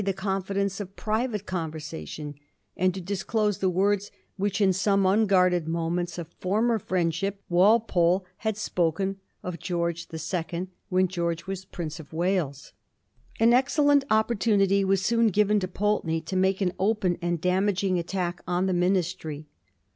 hetTBj the confidence of private conversation, and to disclose the words which, in some unguarded moments of former friendship, Walpolehad spoken of George the Second when (Jeorge was Prince of Wales. An excellent opportunity was soon given to Pul teney to make an open and a damaging attack on the ministry.